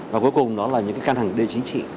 và cuối cùng đó là những căn hẳn đê chính trị